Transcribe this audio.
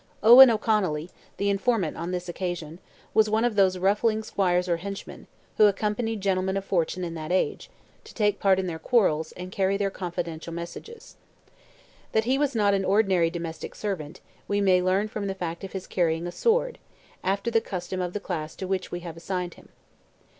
Owen O'Connolly, the informant on this occasion, was one of those ruffling squires or henchmen, who accompanied gentlemen of fortune in that age, to take part in their quarrels, and carry their confidential messages. That he was not an ordinary domestic servant, we may learn from the fact of his carrying a sword, after the custom of the class to which we have assigned him.